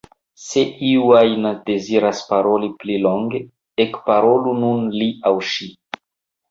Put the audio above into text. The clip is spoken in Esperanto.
Se iu ajn deziras paroli pli longe, ekparolu nun li aŭ ŝi.